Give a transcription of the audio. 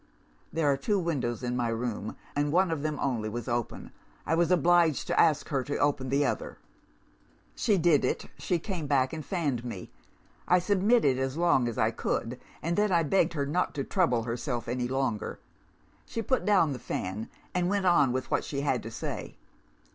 There are two windows in my room, and one of them only was open. I was obliged to ask her to open the other. "She did it; she came back, and fanned me. I submitted as long as I could and then I begged her not to trouble herself any longer. She put down the fan, and went on with what she had to say.